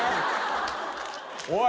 おい！